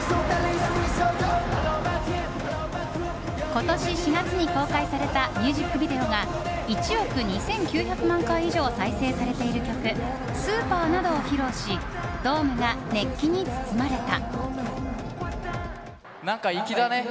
今年４月に公開されたミュージックビデオが１億２９００万回以上再生されている曲「Ｓｕｐｅｒ」などを披露しドームが熱気に包まれた。